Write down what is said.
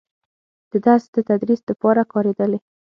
د درس و تدريس دپاره کارېدلې